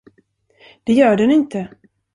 Det gör den inte!